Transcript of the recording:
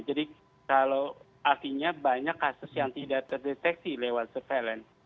jadi kalau artinya banyak kasus yang tidak terdeteksi lewat surveillance